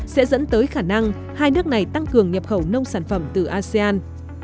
sẽ dẫn tới khả năng hai nước này tăng cường nhập khẩu nông sản phẩm từ asean